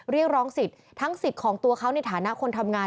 เรียกร้องสิทธิ์ทั้งสิทธิ์ของตัวเขาในฐานะคนทำงาน